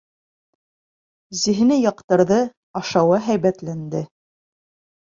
Зиһене яҡтырҙы, ашауы һәйбәтләнде.